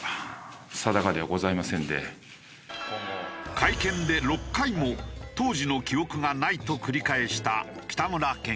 会見で６回も「当時の記憶がない」と繰り返した北村県議。